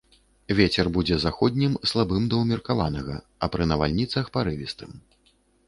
Вецер будзе заходнім, слабым да ўмеркаванага, а пры навальніцах парывістым.